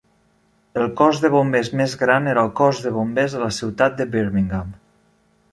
El cos de bombers més gran era el Cos de Bombers de la ciutat de Birmingham.